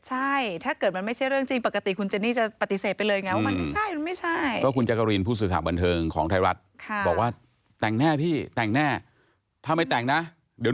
ใช่ถ้าเกิดมันไม่ใช่เรื่องจริงปกติคุณเจนี่จะปฏิเสธไปเลยไงว่ามันไม่ใช่มันไม่ใช่